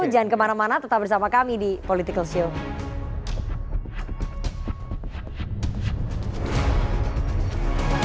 jangan kemana mana tetap bersama kami di politikalshow